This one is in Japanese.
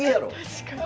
確かに。